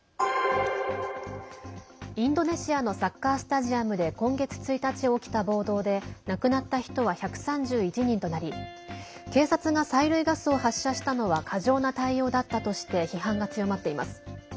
インドネシアのサッカースタジアムで今月１日起きた暴動で亡くなった人は１３１人となり警察が催涙ガスを発射したのは過剰な対応だったとして批判が強まっています。